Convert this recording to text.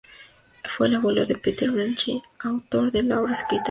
Fue el abuelo de Peter Benchley, autor de la obra escrita "Tiburón".